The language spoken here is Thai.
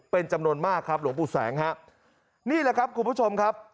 เป็นจำนวนมากครับหลวงปู่แสงฮะนี่แหละครับคุณผู้ชมครับ